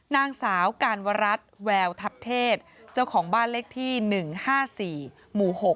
นางสาวการวรัฐแววทัพเทศเจ้าของบ้านเลขที่๑๕๔หมู่๖